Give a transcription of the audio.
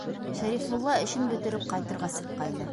Шәрифулла, эшен бөтөрөп, ҡайтырға сыҡҡайны.